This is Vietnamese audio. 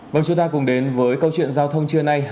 vâng chúng ta cùng đến với câu chuyện giao thông trưa nay